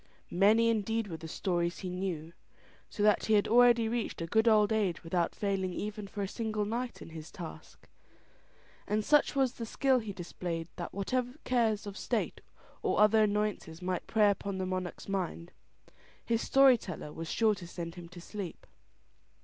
Many indeed were the stories he knew, so that he had already reached a good old age without failing even for a single night in his task; and such was the skill he displayed that whatever cares of state or other annoyances might prey upon the monarch's mind, his story teller was sure to send him to sleep.